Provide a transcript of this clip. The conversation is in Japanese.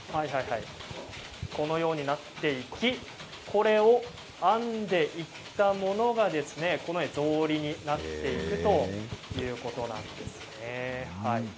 このようになっていってこちらを編んでいったものがぞうりになっていくということなんです。